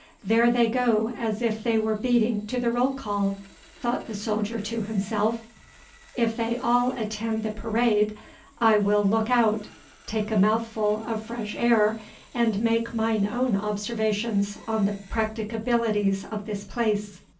There they go as if they were beating to the roll call, thought the soldier to himself; if they all attend the parade, I will look out, take a mouthful of fresh air, and make mine own observations on the practicabilities of this place.